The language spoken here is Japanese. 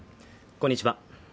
こんにちは